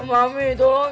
emak mih tolongin